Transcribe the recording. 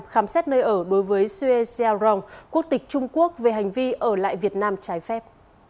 khám xét nơi ở đối với suez sialong quốc tịch trung quốc về hành vi ở lại việt nam trái phép